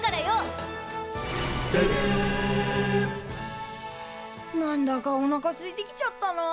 「ででん」なんだかおなかすいてきちゃったな。